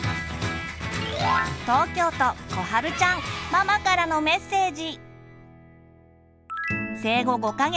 ママからのメッセージ。